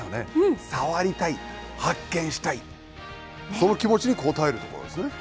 その気持ちに応える所ですね。